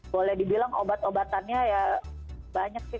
boleh dibilang obat obatannya ya banyak sih